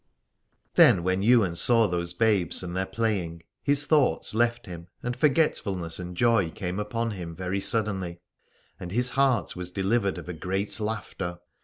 Then when Ywain saw those babes and their playing his thoughts left him and for getfulness and joy came upon him very sud denly, and his heart was delivered of a great laughter.